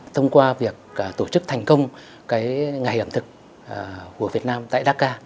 thông qua việc tổ chức thành công ngày ẩm thực của việt nam tại dhaka